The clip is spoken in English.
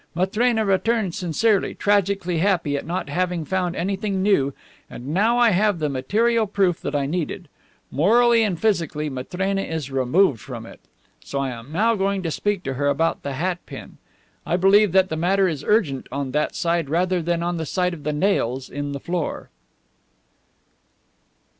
Matrena returned sincerely, tragically happy at not having found anything new, and now I have the material proof that I needed. Morally and physically Matrena is removed from it. So I am going to speak to her about the hat pin. I believe that the matter is urgent on that side rather than on the side of the nails in the floor.